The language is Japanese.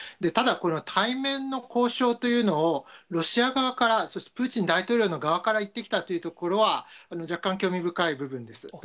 ただ、この対面の交渉というのを、ロシア側から、そして、プーチン大統領の側から言ってきたというところは、若干興味深い部分です。